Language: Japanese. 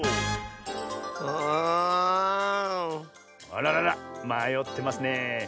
あらららまよってますねえ。